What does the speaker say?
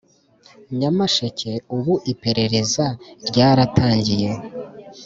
Nyamasheke ubu iperereza ryaratangiye